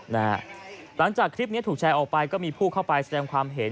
หลังจากคลิปนี้ถูกแชร์ออกไปก็มีผู้เข้าไปแสดงความเห็น